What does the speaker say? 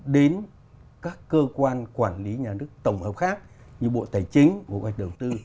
đến các cơ quan quản lý nhà nước tổng hợp khác như bộ tài chính bộ quản lý đồng tư